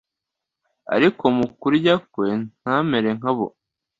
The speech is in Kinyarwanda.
ariko mu kurya kwe ntamere nka bo: